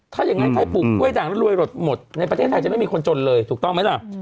ถ้าอย่างนั้นใครปลูกกล้วยด่างแล้วรวยหลดหมดในประเทศไทยจะไม่มีคนจนเลยถูกต้องไหมล่ะ